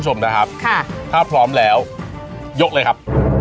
ชมนะครับค่ะถ้าพร้อมแล้วยกเลยครับ